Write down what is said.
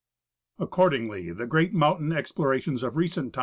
Accordingly, the great mountain explorations of recent times • Vide A.